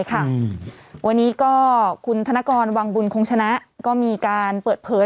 วันนี้ก็คุณธนกรวังบุญคงชนะก็มีการเปิดเผย